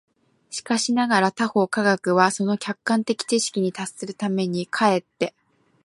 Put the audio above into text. しかしながら他方科学は、その客観的知識に達するために、却って